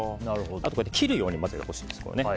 あと切るように混ぜてほしいです。